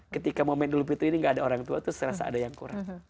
ketika momen idul fitri ini gak ada orang tua itu serasa ada yang kurang